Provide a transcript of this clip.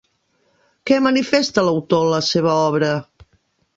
Què manifesta l'autor en la seva obra?